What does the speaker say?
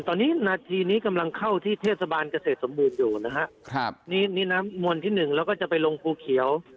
ตอนนี้นาทีนี้กำลังเข้าที่เทศบาลเกษตรสมบูรณ์อยู่นะฮะครับนี่นี่น้ำมวลที่หนึ่งเราก็จะไปลงภูเขียว